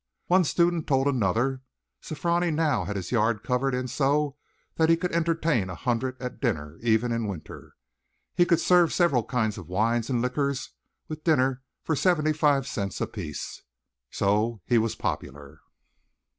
One student told another. Sofroni now had his yard covered in so that he could entertain a hundred at dinner, even in winter. He could serve several kinds of wines and liquors with a dinner for seventy five cents a piece. So he was popular.